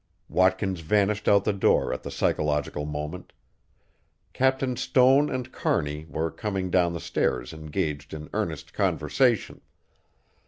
Watkins vanished out the door at the psychological moment. Captain Stone and Kearney were coming down the stairs engaged in earnest conversation.